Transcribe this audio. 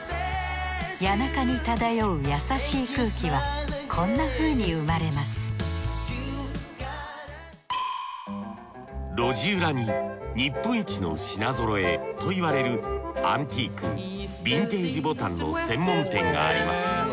谷中に漂う優しい空気はこんなふうに生まれます路地裏に日本一の品ぞろえといわれるアンティークビンテージボタンの専門店があります。